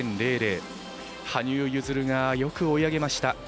羽生結弦がよく追い上げました。